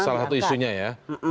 salah satu isunya ya